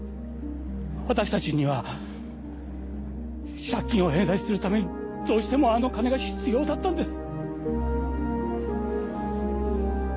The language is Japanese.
私たちには借金を返済するためにどうしてもあの金が必要だったんです！